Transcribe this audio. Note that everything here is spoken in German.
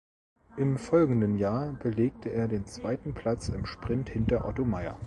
Im folgenden Jahr belegte er den zweiten Platz im Sprint hinter Otto Meyer.